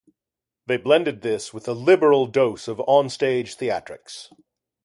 They blended this with a liberal dose of on stage theatrics.